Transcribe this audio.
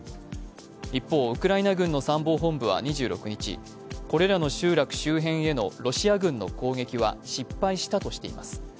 一方、ウクライナ軍の参謀本部は２６日、これらの集落周辺へのロシア軍の攻撃は失敗したとしています。